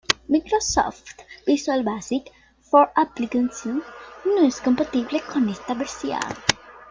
Microsoft Visual Basic for Applications no es compatible con esta versión.